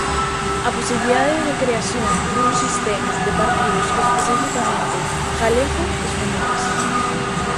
A posibilidade de creación dun sistema de partidos especificamente galego esfumábase.